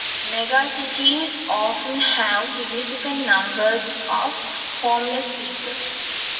Megacities often have significant numbers of homeless people.